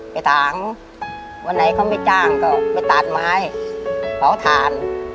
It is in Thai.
ไปถางวันไหนเขาไม่จ้างก็ไปตัดไม้เผาถ่าน